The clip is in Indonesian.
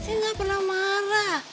saya gak pernah marah